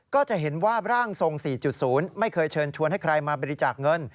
ก็จะเห็นว่าร่างทรง๔๐ไม่เคยเชิญชวนให้ใครมาบริจาคเงิน